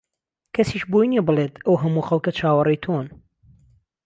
کەسیش بۆی نییە بڵێت ئەو هەموو خەڵکە چاوەڕێی تۆن